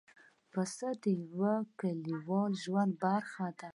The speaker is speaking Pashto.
پسه د یوه کلیوالي ژوند برخه ده.